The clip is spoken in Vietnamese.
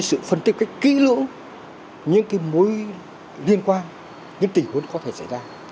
sự phân tích kỹ lưỡng những mối liên quan những tình huống có thể xảy ra